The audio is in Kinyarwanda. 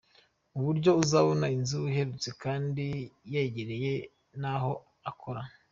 Mu buryo azabona inzu ihendutse kandi yegereye n’aho akora.